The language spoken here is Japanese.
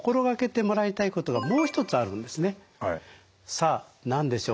さあ何でしょう？